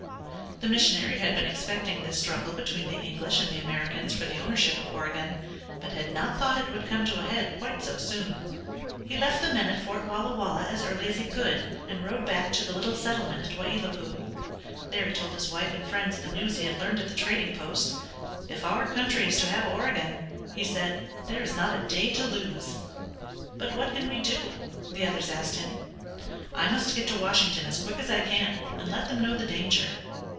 The missionary had been expecting this struggle between the English and the Americans for the ownership of Oregon, but had not thought it would come to a head quite so soon. He left the men at Fort Walla Walla as early as he could, and rode back to the little settlement at Wai i lat pui. There he told his wife and friends the news he had learned at the trading post. "If our country is to have Oregon," he said, "there is not a day to lose." "But what can we do?" the others asked him. "I must get to Washington as quick as I can, and let them know the danger."